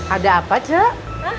ada apa cek